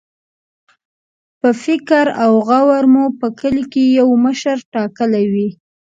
په فکر او غور مو په کلي کې یو مشر ټاکلی وي.